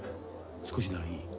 少しならいい？